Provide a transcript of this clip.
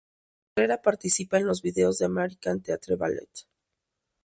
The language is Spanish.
Herrera participa en los videos del American Theatre Ballet.